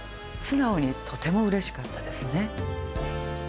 素直にとてもうれしかったですね。